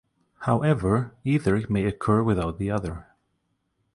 However, either may occur without the other.